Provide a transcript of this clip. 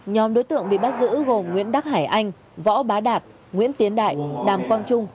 nhóm đối tượng bị bắt giữ gồm nguyễn đắc hải anh võ bá đạt nguyễn tiến đại đàm quang trung